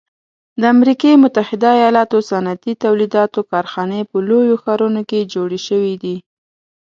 د امریکي متحده ایلاتو صنعتي تولیداتو کارخانې په لویو ښارونو کې جوړې شوي دي.